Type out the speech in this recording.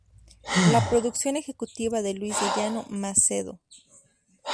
La Producción Ejecutiva de Luis de Llano Macedo.